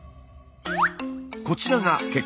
こちらが結果です。